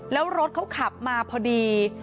แล้วรถเขาขับมาพอดี